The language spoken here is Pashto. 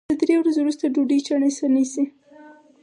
د درې ورځو وروسته ډوډۍ چڼېسه نیسي